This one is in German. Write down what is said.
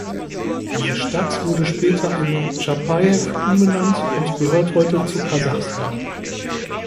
Diese Stadt wurde später in Tschapajew umbenannt und gehört heute zu Kasachstan.